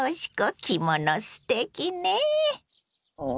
着物すてきね。